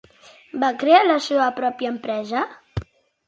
Va crear la seva pròpia empresa?